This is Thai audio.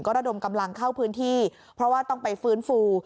ระดมกำลังเข้าพื้นที่เพราะว่าต้องไปฟื้นฟู